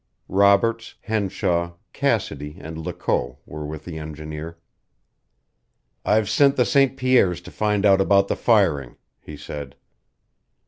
Roberts, Henshaw, Cassidy, and Lecault were with the engineer. "I've sent the St. Pierres to find out about the firing," he said.